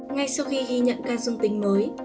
ngay sau khi ghi nhận ca dương tính mới